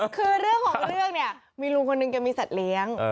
คือเรื่องของเรื่องเนี่ยมีลุงคนหนึ่งแกมีสัตว์เลี้ยง